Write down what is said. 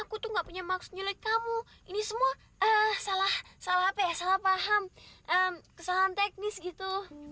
aku tuh gak punya maksudnya kamu ini semua salah paham kesalahan teknis gitu